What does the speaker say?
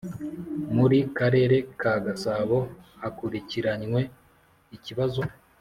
Muri Karere ka gasabo hakurikiranywe ikibazo